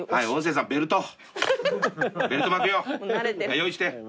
用意して。